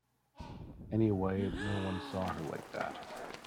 Anyway, no one saw her like that.